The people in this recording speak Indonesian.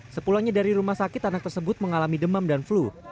sepulangnya dari rumah sakit anak tersebut mengalami demam dan flu